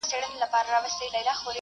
ته وا نه يې له ابليس څخه زوولى !.